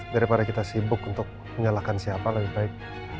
daripada kita sibuk untuk menyalahkan siapa lebih baik